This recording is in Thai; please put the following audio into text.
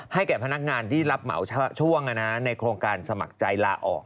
แก่พนักงานที่รับเหมาช่วงในโครงการสมัครใจลาออก